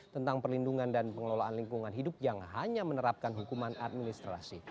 tentang perlindungan dan pengelolaan lingkungan hidup yang hanya menerapkan hukuman administrasi